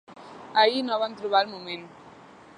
Ahir no van trobar el moment.